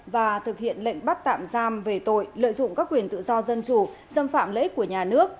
và thực hiện lệnh bắt tạm giam về tội lợi dụng các quyền tự do dân chủ xâm phạm lợi ích của nhà nước